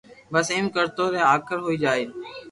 بس ايم ڪرتو رھي آخر ھوئي جائين